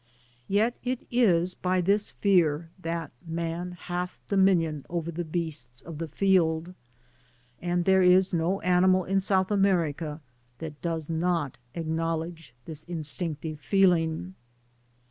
Yet it is by this fear that ^' man hath dominion over the beasts of the field," and there is no animal in South America that does not acknowledge this instinctive feeling.